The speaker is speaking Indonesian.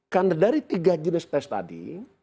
karena dari tiga jenis tes tadi